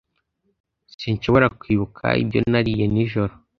S Sinshobora kwibuka ibyo nariye nijoro